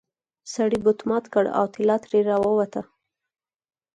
سړي بت مات کړ او طلا ترې راووته.